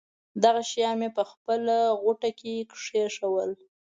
دغه شیان مې په خپله غوټه کې کېښودل.